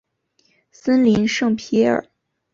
森林圣皮耶尔。